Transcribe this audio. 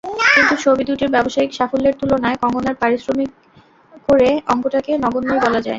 কিন্ত ছবি দুটির ব্যবসায়িক সাফল্যের তুলনায় কঙ্গনার পারিশ্রমিকরে অঙ্কটাকে নগণ্যই বলা যায়।